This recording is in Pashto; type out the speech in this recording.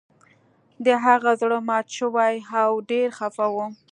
د هغه زړه مات شوی و او ډیر خفه و